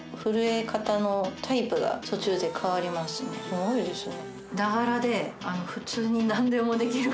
これすごいですね